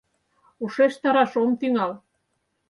Ушештараш ом тӱҥал